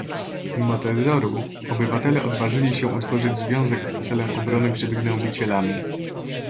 "Mimo terroru, obywatele odważyli się utworzyć związek, celem obrony przed gnębicielami."